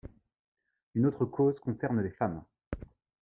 Une autre cause concerne les femmes.